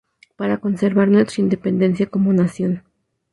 Para conservar nuestra independencia como nación.